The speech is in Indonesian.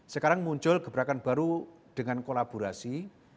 sekarang muncul gebrakan baru dengan kolaborasi